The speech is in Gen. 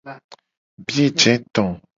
Biye je to.